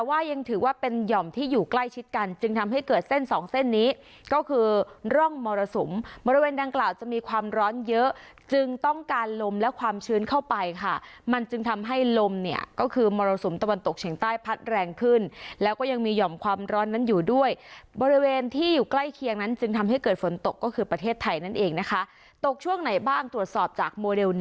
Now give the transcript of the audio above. ว่ายังถือว่าเป็นหย่อมที่อยู่ใกล้ชิดกันจึงทำให้เกิดเส้น๒เส้นนี้ก็คือร่องมรสมบริเวณดังกล่าวจะมีความร้อนเยอะจึงต้องการลมและความชื้นเข้าไปค่ะมันจึงทำให้ลมเนี่ยก็คือมรสมตะวันตกเฉียงใต้พัดแรงขึ้นแล้วก็ยังมีหย่อมความร้อนนั้นอยู่ด้วยบริเวณที่อยู่ใกล้เคียงนั้นจึงทำให้เ